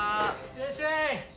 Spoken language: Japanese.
いらっしゃい。